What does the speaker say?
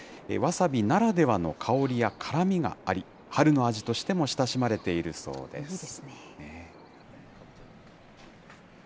わさびならではの香りや辛みがあり、春の味としても親しまれているそうです。